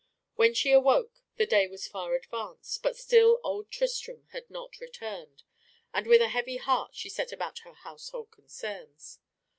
When she awoke, the day was far advanced, but still old Tristram had not returned; and with a heavy heart she set about her household concerns.